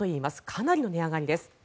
かなりの値上がりです。